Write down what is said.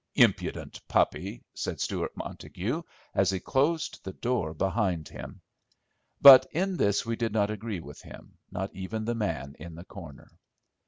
"Impudent puppy," said Stewart Montague, as he closed the door behind him. But in this we did not agree with him, not even the man in the corner.